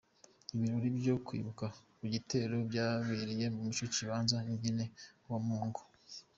Ibirori vyo kwibuka ico gitero vyabereye muri ico kibanza nyene ku wa mungu.